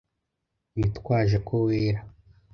Witwaje ko wera